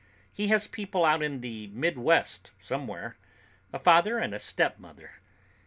He has people out in the Midwest somewhere—a father and a stepmother.